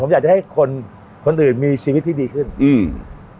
ผมอยากจะให้คนคนอื่นมีชีวิตที่ดีขึ้นอืม